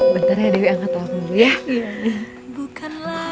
bentar ya dewi angkat telepon dulu ya